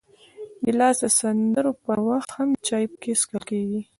ګیلاس د سندرو پر وخت هم چای پکې څښل کېږي.